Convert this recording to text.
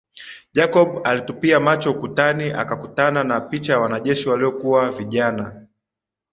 Jacob alitupia macho ukutani akakutana na picha ya wanajeshi waliokuwa vijana